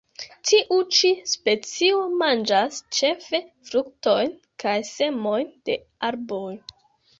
Tiu ĉi specio manĝas ĉefe fruktojn kaj semojn de arboj.